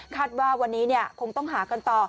คาดว่าวันนี้เนี่ยคงต้องหากันต่อ